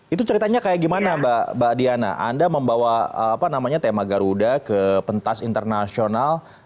itu ceritanya kayak gimana mbak diana anda membawa tema garuda ke pentas internasional